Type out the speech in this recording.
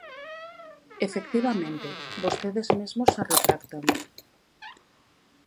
Efectivamente, vostedes mesmos se retractan.